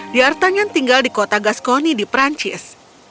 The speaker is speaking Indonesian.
di artangan tinggal di kota gascony di perancis